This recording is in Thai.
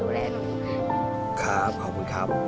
และได้ดูแลหนูค่ะ